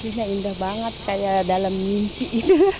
pastinya indah banget kayak dalam mimpi itu